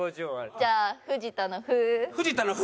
じゃあ藤田の「ふ」。